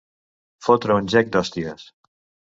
Fotre un gec d'hòsties.